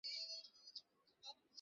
আমাকে বিশ্বাস করতে পারো।